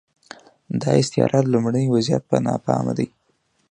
دا استعاره د لومړني وضعیت په نامه ده.